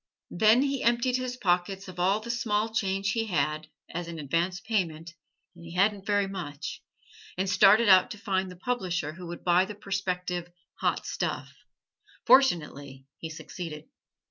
Then he emptied his pockets of all the small change he had, as an advance payment, and he hadn't very much, and started out to find the publisher who would buy the prospective "hot stuff." Fortunately he succeeded.